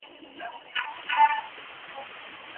يوازي دومره دې په ياد دي، چي هغه يو صالح کس وو؟